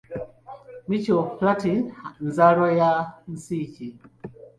Michel Platin nzaalwa ya mu nsi ki?